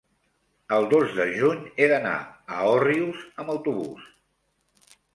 el dos de juny he d'anar a Òrrius amb autobús.